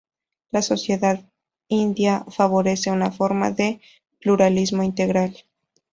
La sociedad india favorece una forma de pluralismo integral.